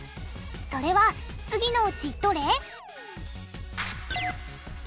それは次のうちどれ？